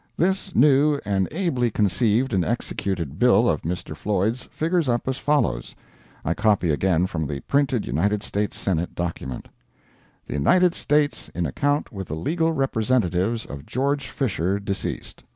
This new and ably conceived and executed bill of Mr. Floyd's figures up as follows (I copy again from the printed United States Senate document): The United States in account with the legal representatives of George Fisher, deceased.